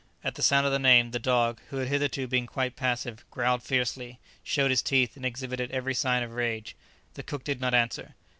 At the sound of the name, the dog, who had hitherto been quite passive, growled fiercely, showed his teeth, and exhibited every sign of rage. The cook did not answer.